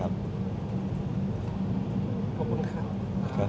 หมอบรรยาหมอบรรยา